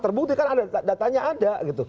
terbukti kan datanya ada